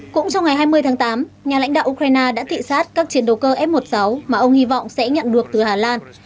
cũng trong ngày hai mươi tháng tám nhà lãnh đạo ukraine đã thị xát các chiến đấu cơ f một mươi sáu mà ông hy vọng sẽ nhận được từ hà lan